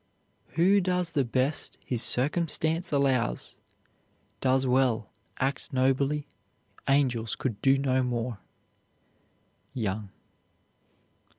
Who does the best his circumstance allows, Does well, acts nobly, angels could do no more. YOUNG.